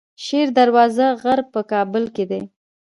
شیر دروازه غر په کابل کې دی